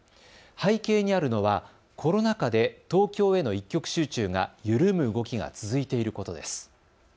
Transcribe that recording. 背景にあるのはコロナ禍で東京への一極集中が緩む動きが続いていることです。